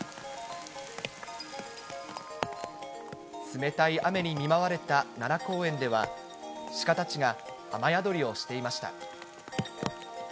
冷たい雨に見舞われた奈良公園では、鹿たちが雨宿りをしていました。